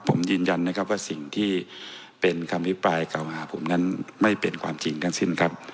ผมยืนยันนะครับว่าสิ่งที่เป็นคำอภิปรายเก่าหาผมนั้นไม่เป็นความจริงทั้งสิ้นครับ